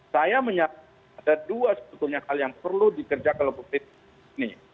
saya menyatakan ada dua hal yang sebetulnya perlu dikerjakan kalau covid sembilan belas ini